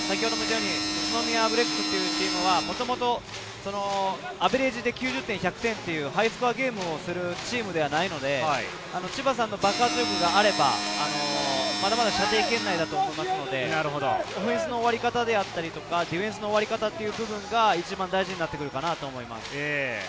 宇都宮ブレックスというチームは、もともとアベレージで９０点、１００点のハイスコアのチームではないので、千葉さんの爆発力があればまだまだ射程圏内だと思いますので、オフェンスの終わり方であったり、ディフェンスの終わり方が大事になってくるかなと思います。